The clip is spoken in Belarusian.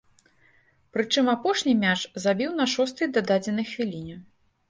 Прычым апошні мяч забіў на шостай дададзенай хвіліне.